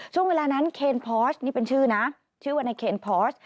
ช่วงเวลานั้นเคนพอสนี่เป็นชื่อนะชื่อว่าในเคนพอส